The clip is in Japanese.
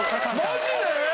マジで！？